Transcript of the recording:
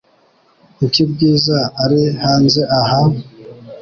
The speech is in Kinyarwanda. Kuki Bwiza ari hanze aha?